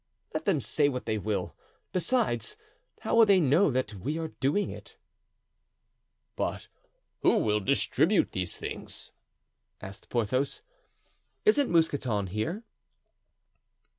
"Let them say what they will; besides, how will they know that we are doing it?" "But who will distribute these things?" asked Porthos. "Isn't Mousqueton there?"